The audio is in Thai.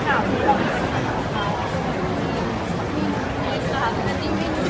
ช่องความหล่อของพี่ต้องการอันนี้นะครับ